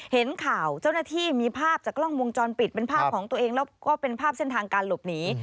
เห็นข่าวเจ้าหน้าที่มีภาพจากกล้องวงจรปิดเป็นภาพของตัวเองแล้วก็เป็นภาพเส้นทางการหลบหนี